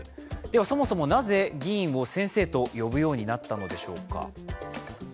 では、そもそもなぜ議員を先生と呼ぶようになったのでしょうか。